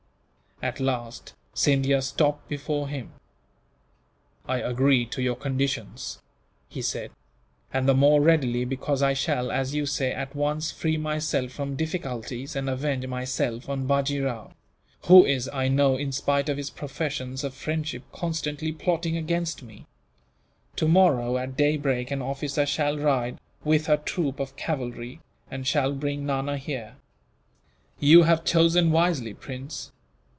At last, Scindia stopped before him. "I agree to your conditions," he said, "and the more readily because I shall, as you say, at once free myself from difficulties, and avenge myself on Bajee Rao; who is, I know, in spite of his professions of friendship, constantly plotting against me. Tomorrow at daybreak an officer shall ride, with a troop of cavalry, and shall bring Nana here." "You have chosen wisely, Prince.